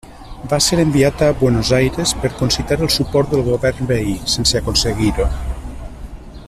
Va ser enviat a Buenos Aires per concitar el suport del govern veí, sense aconseguir-ho.